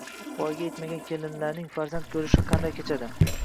Voyaga etmagan kelinlarning farzand ko`rishi qanday kechadi